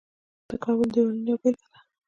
د کابل دیوالونه یوه بیلګه ده